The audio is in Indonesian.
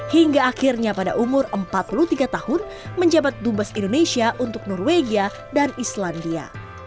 hingga akhirnya pada umur empat puluh tiga tahun menjabat dubes indonesia untuk norwegia dan islandia